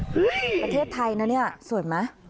ประเทศไทยนะเนี่ยสวยไหม